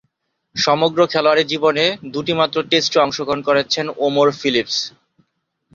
সমগ্র খেলোয়াড়ী জীবনে দুইটিমাত্র টেস্টে অংশগ্রহণ করেছেন ওমর ফিলিপস।